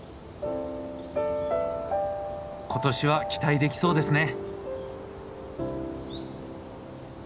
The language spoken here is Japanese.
今年は期待できそうですね。